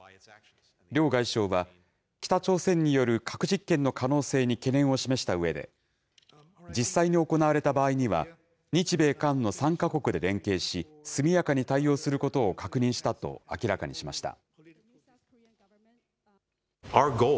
両外相は、北朝鮮による核実験の可能性に懸念を示したうえで、実際に行われた場合には、日米韓の３か国で連携し、速やかに対応することを確認したと明らかにしました。